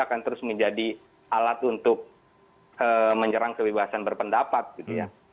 akan terus menjadi alat untuk menyerang kebebasan berpendapat gitu ya